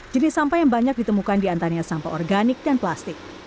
jenis sampah yang banyak ditemukan di antaranya sampah organik dan plastik